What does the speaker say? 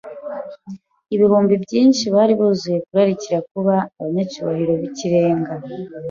ibihumbi byinshi, bari buzuye kurarikira kuba abanyacyubahiro b’ikirenga